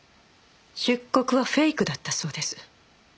出国はフェイクだったそうです。